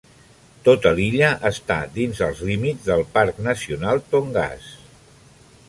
Tota l'illa està dins els límits del Parc Nacional Tongass.